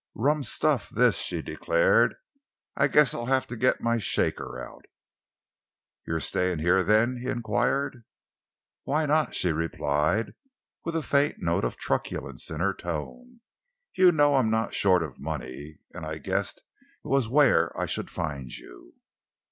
"Rum stuff, this," she declared. "I guess I'll have to get my shaker out." "You are staying here, then?" he enquired. "Why not?" she replied, with a faint note of truculence in her tone. "You know I'm not short of money, and I guessed it was where I should find you."